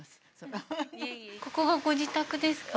ここがご自宅ですか。